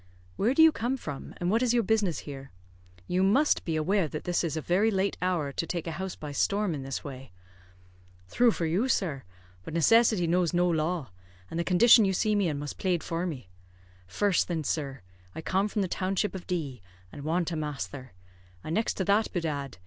"Where do you come from, and what is your business here? You must be aware that this is a very late hour to take a house by storm in this way." "Thrue for you, sir. But necessity knows no law; and the condition you see me in must plade for me. First, thin, sir, I come from the township of D , and want a masther; and next to that, bedad!